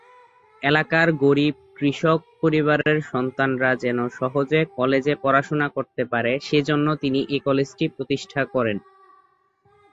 এলাকার গরিব কৃষক পরিবারের সন্তানরা যেন সহজে কলেজে পড়াশোনা করতে পারে সে জন্য তিনি এ কলেজটি প্রতিষ্ঠা করেন।